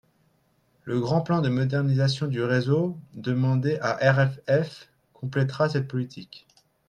Le grand plan de modernisation du réseau, demandé à RFF, complétera cette politique.